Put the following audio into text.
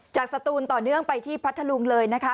สตูนต่อเนื่องไปที่พัทธลุงเลยนะคะ